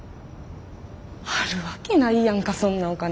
あるわけないやんかそんなお金。